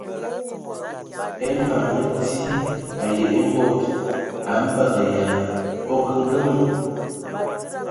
E mam mə ti ai e mod a mbəgə yə a ongəngəma.